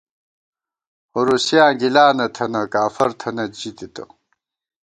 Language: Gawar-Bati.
ہُورُوسیاں گِلانہ تھنہ ، کافر تھنئیت ، ژی تِتہ